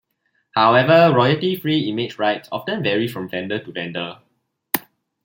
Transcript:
However, royalty free image rights often vary from vendor to vendor.